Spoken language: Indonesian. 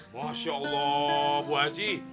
masya allah bu haji